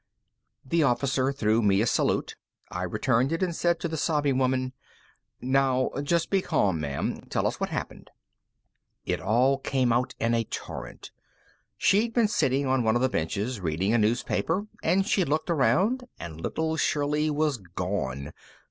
The officer threw me a salute. I returned it and said to the sobbing woman, "Now, just be calm, ma'am. Tell us what happened." It all came out in a torrent. She'd been sitting on one of the benches, reading a newspaper, and she'd looked around and little Shirley was gone.